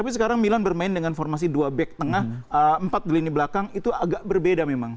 dan bermain dengan formasi dua back tengah empat di lini belakang itu agak berbeda memang